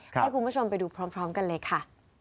ให้คุณผู้ชมไปดูพร้อมกันเลยค่ะ